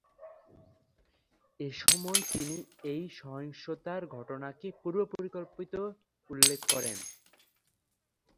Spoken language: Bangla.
এসময় তিনি এই সহিংসতার ঘটনাকে পূর্ব পরিকল্পিত উল্লেখ করে।